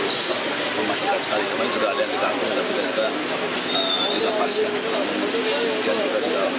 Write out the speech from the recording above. polisi juga memastikan sekali teman teman juga ada yang ditanggung dan tidak ada yang terpaksa